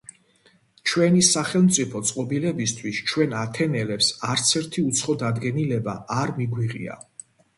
ჩვენი სახელმწიფო წყობილებისთვის ჩვენ ათენელებს, არც ერთი უცხო დადგენილება არ მიგვიღია.